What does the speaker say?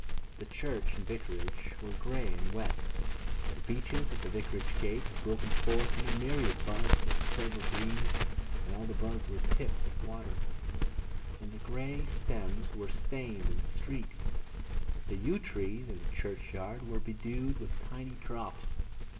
The church and vicarage were grey and wet. The beeches at the vicarage gate had broken forth in a myriad buds of silver green, and all the buds were tipped with water, and the grey stems were stained and streaked. The yew trees in the churchyard were bedewed with tiny drops.